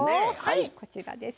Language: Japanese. こちらです。